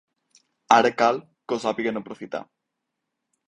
Ara cal que ho sàpiguen aprofitar.